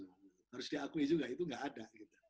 harus diakui juga itu nggak ada